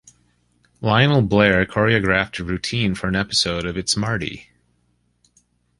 Lionel Blair choreographed a routine for an episode of "It's Marty".